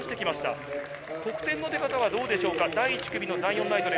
得点の出方はどうでしょうか？